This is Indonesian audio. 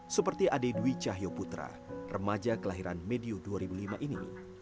seperti ade dwi cahyo putra remaja kelahiran medio dua ribu lima ini